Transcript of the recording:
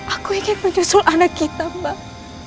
aku ingin menyusul anak kita mbak